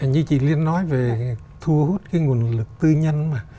như chị liên nói về thu hút cái nguồn lực tư nhân mà